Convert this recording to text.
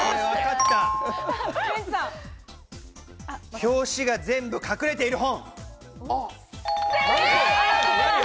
表紙が全部隠れている本。